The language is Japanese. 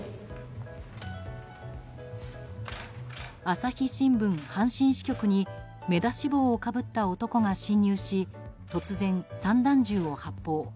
朝日新聞阪神支局に目出し帽をかぶった男が侵入し突然、散弾銃を発砲。